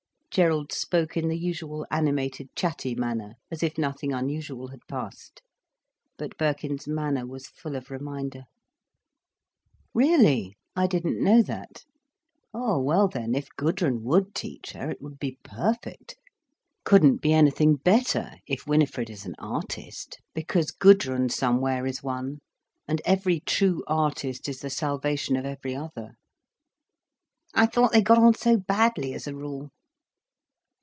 Gerald spoke in the usual animated, chatty manner, as if nothing unusual had passed. But Birkin's manner was full of reminder. "Really! I didn't know that. Oh well then, if Gudrun would teach her, it would be perfect—couldn't be anything better—if Winifred is an artist. Because Gudrun somewhere is one. And every true artist is the salvation of every other." "I thought they got on so badly, as a rule."